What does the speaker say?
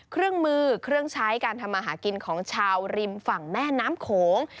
เครื่องมือเครื่องใช้การทำมาหากินของชาวริมฝั่งแม่น้ำโขง